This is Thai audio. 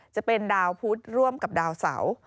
จะเป็นดาวพุทธร่วมกับดาวเสา